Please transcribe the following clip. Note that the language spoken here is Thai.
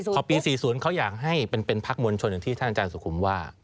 พอปี๔๐เขาอยากให้เป็นพักมวลชนอย่างที่ท่านอาจารย์สุขุมว่า